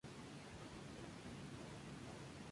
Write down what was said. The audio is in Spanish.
De nuevo, Crátero inició el asedio y Alejandro lo finalizó.